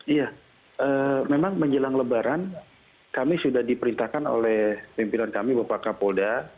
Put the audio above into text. iya memang menjelang lebaran kami sudah diperintahkan oleh pimpinan kami bapak kapolda